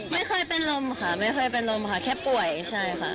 ไม่เคยเป็นลมค่ะไม่เคยเป็นลมค่ะแค่ป่วยใช่ค่ะ